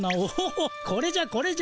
おこれじゃこれじゃ。